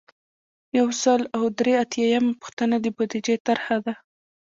یو سل او درې اتیایمه پوښتنه د بودیجې طرحه ده.